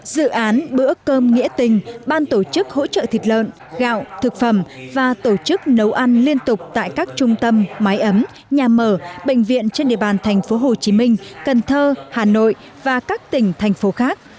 dự án bữa cơm nghĩa tình ban tổ chức hỗ trợ thịt lợn gạo thực phẩm và tổ chức nấu ăn liên tục tại các trung tâm mái ấm nhà mở bệnh viện trên địa bàn tp hcm cần thơ hà nội và các tỉnh thành phố khác